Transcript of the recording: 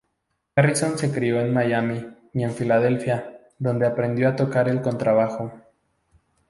Garrison se crio en Miami y en Filadelfia, donde aprendió a tocar el contrabajo.